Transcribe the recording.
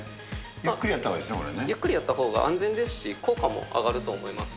そうですね、ゆっくりやったほうが安全ですし、効果も上がると思います。